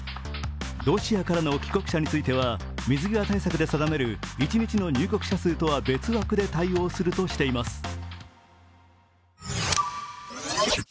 ロシアからの帰国者については水際対策で定める一日の入国者数とは別枠で対応するとしています。